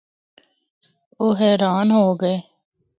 او حیران ہو گئے۔